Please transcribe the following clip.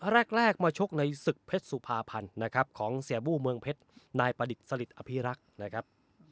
แรกมาชกในศึกเพชรสุภาพันธ์นะครับของเสียบู้เมืองเพชรนายประดิษฐ์สลิดอภิรักษ์นะครับ